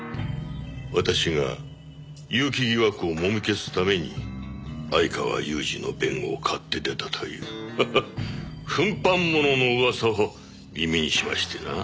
私が結城疑惑をもみ消すために相川裕治の弁護を買って出たという噴飯ものの噂を耳にしましてな。